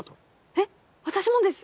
えっ私もです。